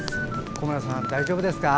小村さん、大丈夫ですか。